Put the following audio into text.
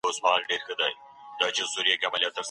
خلګو د توليد په نوو طريقو کار پيل کړی و.